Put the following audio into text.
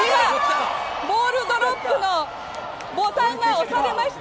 ボールドロップのボタンが押されました。